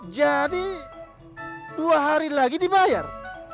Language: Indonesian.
jadi dua hari lagi dibayar